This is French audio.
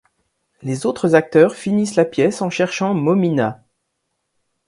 Les autres acteurs finissent la pièce en cherchant Mommina.